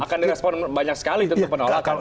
akan direspon banyak sekali tentu penolakan